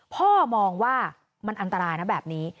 พ่อมองว่ามันอันตรายนะแบบนี้